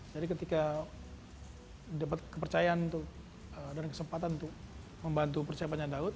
jadi ketika dapat kepercayaan dan kesempatan untuk membantu percepatan daud